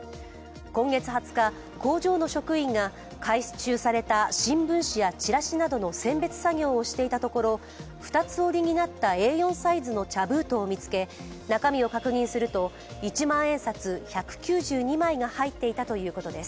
今月２０日、工場の職員が回収された新聞紙やチラシなどの選別作業をしていたところ、二つ折りになったＡ４サイズの茶封筒を見つけ中身を確認すると、一万円札１９２枚が入っていたということです。